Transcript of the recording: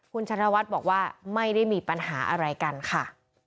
คุณชะนวัฒน์บอกว่าไม่ได้มีปัญหาอะไรกันค่ะ